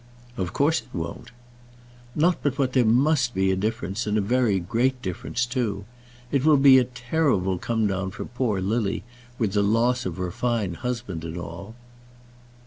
"Of course it won't." "Not but what there must be a difference, and a very great difference too. It will be a terrible come down for poor Lily, with the loss of her fine husband and all."